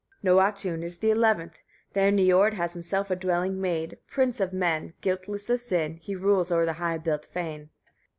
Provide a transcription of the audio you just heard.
16. Nôatûn is the eleventh, there Niörd has himself a dwelling made, prince of men; guiltless of sin, he rules o'er the high built fane.